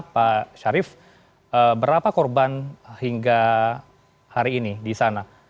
pak syarif berapa korban hingga hari ini di sana